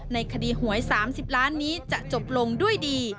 ในคดีหวย๓๐ล้านนี้จะจบลงด้วยดี